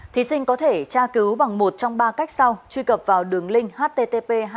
thí sinh có thể tra cứu bằng một trong ba cách sau truy cập vào đường link http